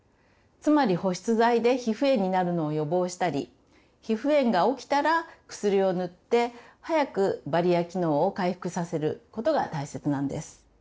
つまり保湿剤で皮膚炎になるのを予防したり皮膚炎が起きたら薬を塗って早くバリア機能を回復させることが大切なんです。